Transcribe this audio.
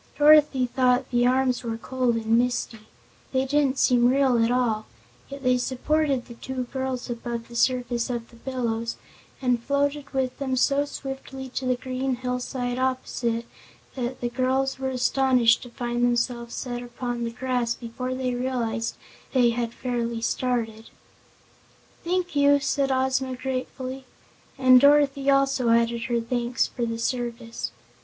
Dorothy thought the arms were cold and misty they didn't seem real at all yet they supported the two girls above the surface of the billows and floated with them so swiftly to the green hillside opposite that the girls were astonished to find themselves set upon the grass before they realized they had fairly started. "Thank you!" said Ozma gratefully, and Dorothy also added her thanks for the service.